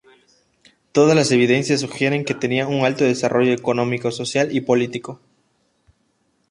Todas la evidencias sugieren que tenían un alto desarrollo económico, social, político.